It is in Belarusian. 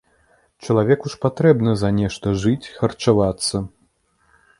Чалавеку ж трэба за нешта жыць, харчавацца.